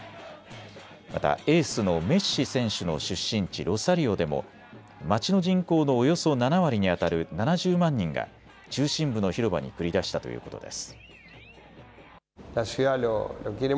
またエースのメッシ選手の出身地、ロサリオでも街の人口のおよそ７割にあたる７０万人が中心部の広場に繰り出したということです。